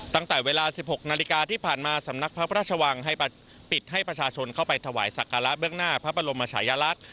ตั้งแต่เวลา๑๖นาฬิกาที่ผ่านมาสำนักพระราชวังให้ปิดให้ประชาชนเข้าไปถวายสักการะเบื้องหน้าพระบรมชายลักษณ์